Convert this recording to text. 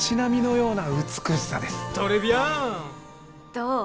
どう？